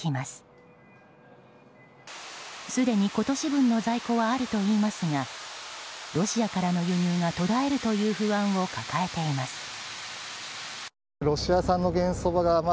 すでに今年分の在庫はあるといいますがロシアからの輸入が途絶えるという不安を抱えています。